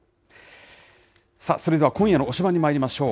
さあ、それでは今夜の推しバン！にまいりましょう。